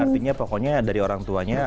artinya pokoknya dari orang tuanya